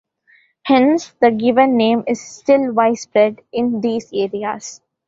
Hence the given name is still widespread in these areas.